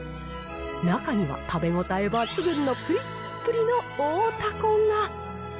中には食べ応え抜群のぷりっぷりの大たこが。